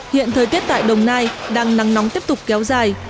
hiện thời tiết tại đồng nai đang nắng nóng tiếp tục kéo dài